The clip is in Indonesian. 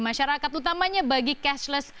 masyarakat utamanya bagi cashless